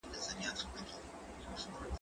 زه مخکي د ښوونځی لپاره تياری کړی وو!؟